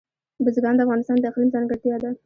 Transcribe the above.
بزګان د افغانستان د اقلیم ځانګړتیا ده.